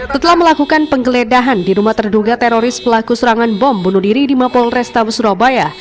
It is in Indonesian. setelah melakukan penggeledahan di rumah terduga teroris pelaku serangan bom bunuh diri di mapol restabes surabaya